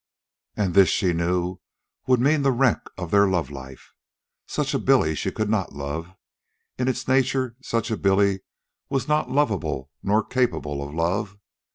And this, she knew, would mean the wreck of their love life. Such a Billy she could not love; in its nature such a Billy was not lovable nor capable of love.